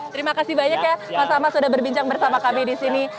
terima kasih banyak ya mas ahmad sudah berbincang bersama kami di sini